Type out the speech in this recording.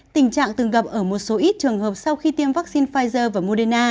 tình trạng từng gặp ở một số ít trường hợp sau khi tiêm vaccine pfizer và moderna